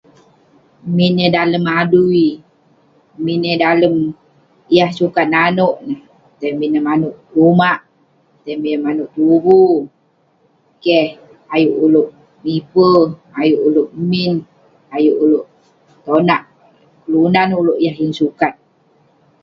Min eh dalem adui, min eh dalem yah sukat naneuk neh. Tai min neh maneuk lumak, tai min eh maneuk tuvu. Keh ayuk uleuk mipe, ayuk uleuk min, ayuk uleuk tonak kelunan uleuk yah yeng sukat.